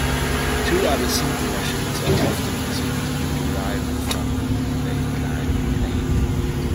Two other simple machines are often considered to be derived from the inclined plane.